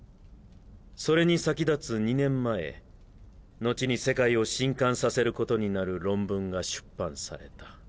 それに先立つ２年前後に世界を震撼させることになる論文が出版された。